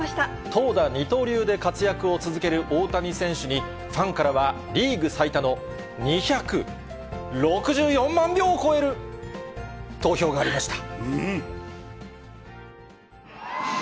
投打二刀流で活躍を続ける大谷選手に、ファンからはリーグ最多の２６４万票を超える投票がありました。